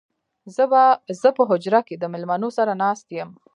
زه په حجره کې د مېلمنو سره ناست يم